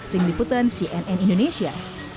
film liputan cnn indonesia